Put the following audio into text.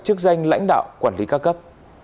trước danh lãnh đạo quản lý ca cấp